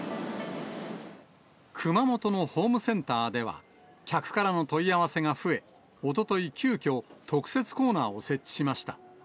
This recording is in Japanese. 熊本のホームセンターでは、客からの問い合わせが増え、おととい、急きょ特設コーナーを設置しました。